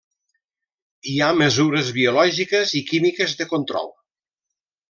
Hi ha mesures biològiques i químics de control.